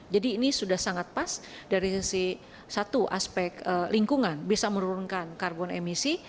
jadi ini sudah sangat pas dari satu aspek lingkungan bisa menurunkan karbon emisi